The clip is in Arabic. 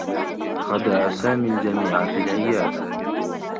خدع سامي الجميع في العيادة.